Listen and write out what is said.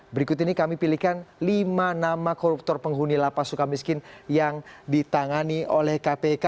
berikut ini kami pilihkan lima nama koruptor penghuni lapas suka miskin yang ditangani oleh kpk